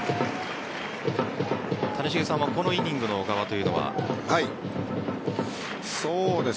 谷繁さんはこのイニングの小川というのは？